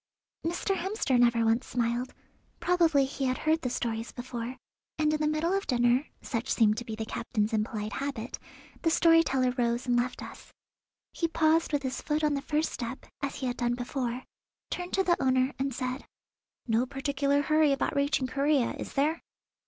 Mr. Hemster never once smiled; probably he had heard the stories before, and in the middle of dinner (such seemed to be the captain's impolite habit) the story teller rose and left us. He paused with his foot on the first step, as he had done before, turned to the owner, and said: "No particular hurry about reaching Corea, is there?"